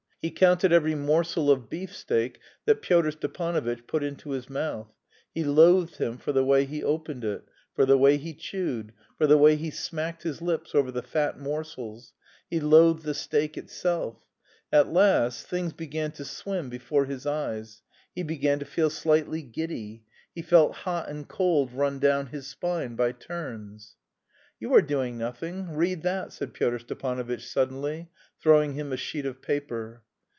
He counted every morsel of beefsteak that Pyotr Stepanovitch put into his mouth; he loathed him for the way he opened it, for the way he chewed, for the way he smacked his lips over the fat morsels, he loathed the steak itself. At last things began to swim before his eyes; he began to feel slightly giddy; he felt hot and cold run down his spine by turns. "You are doing nothing; read that," said Pyotr Stepanovitch suddenly, throwing him a sheet of paper.